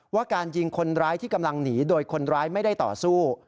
ว่าการยิงคนร้ายที่กำลังหนีโดยคนร้ายไม่ได้ต่อสู้